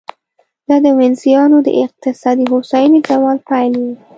دا د وینزیانو د اقتصادي هوساینې د زوال پیل و